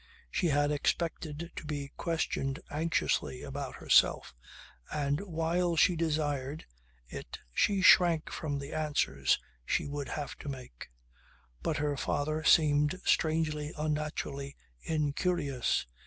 She had expected to be questioned anxiously about herself and while she desired it she shrank from the answers she would have to make. But her father seemed strangely, unnaturally incurious.